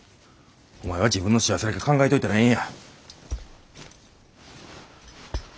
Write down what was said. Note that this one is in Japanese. お前は自分の幸せだけ考えといたらええんや。